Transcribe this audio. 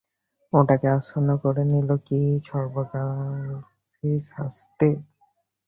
ওটাকে আচ্ছন্ন করে নিল কী সর্বগ্রাসী শাস্তি!